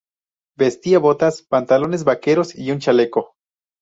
Vestía botas, pantalones vaqueros y un chaleco...